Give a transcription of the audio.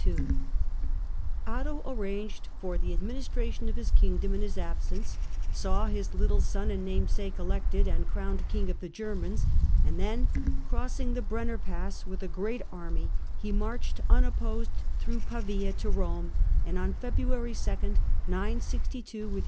otto i.'s Otto arranged for the administration of his kingdom in Italian Ex his absence, saw his little son and namesake elected and pedition, crowned King of the Germans ; and then, crossing the Brenner Pass with a great army, he marched unopposed through Pavia to Kome, and on February 2, 962, with his otto I.